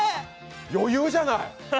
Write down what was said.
余裕じゃない？